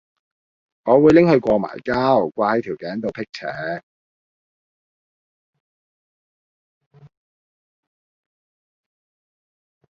我會拎去過埋膠掛係條頸度闢邪